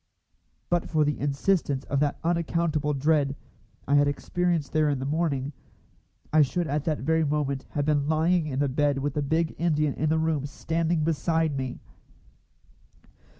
But for the insistence of that unaccountable dread I had experienced there in the morning, I should at that very moment have been lying in the bed with the big Indian in the room standing beside me.